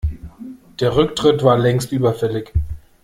Der Rücktritt war längst überfällig.